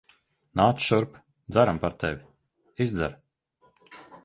Nāc šurp. Dzeram par tevi. Izdzer.